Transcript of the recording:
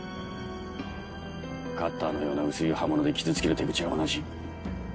カッターのような薄い刃物で傷つける手口は同じ。